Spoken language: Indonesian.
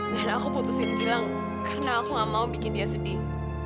dan aku putusin gilang karena aku gak mau bikin dia sedih